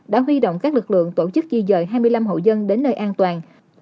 đã huy động các lực lượng tổ chức di dời hai mươi năm hộ dân đến nơi an toàn